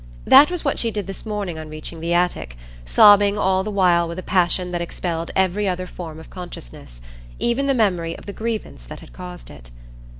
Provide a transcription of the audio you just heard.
That was what she did this morning on reaching the attic, sobbing all the while with a passion that expelled every other form of consciousness,—even the memory of the grievance that had caused it.